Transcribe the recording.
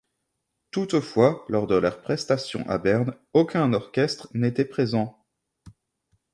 Toutefois, lors de leur prestation à Berne, aucun orchestre n'était présent.